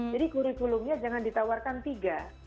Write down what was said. jadi kurikulumnya jangan ditawarkan tiga